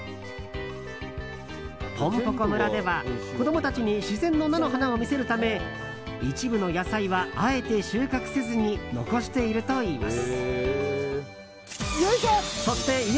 ぽんぽこ村では、子供たちに自然の菜の花を見せるため一部の野菜は、あえて収穫せずに残しているといいます。